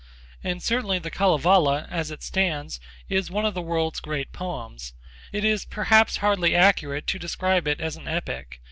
And certainly the Kalevala, as it stands, is one of the world's great poems. It is perhaps hardly accurate to describe it as an epic.